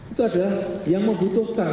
itu adalah yang membutuhkan